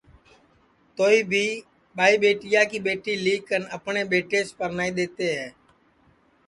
توہی بھی ٻائی ٻیٹیا کی ٻیٹی لی کن اپٹؔے ٻیٹیس پرنائی دؔیتے ہے